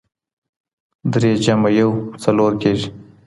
درې جمع يو؛ څلور کېږي.